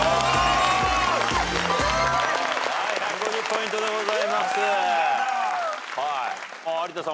１５０ポイントでございます。